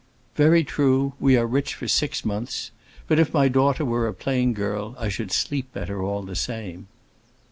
"Very true; we are rich for six months. But if my daughter were a plain girl I should sleep better all the same."